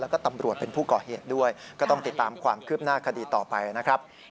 แล้วก็ตำรวจเป็นผู้ก่อเหตุด้วยก็ต้องติดตามความคืบหน้าคดีต่อไปนะครับ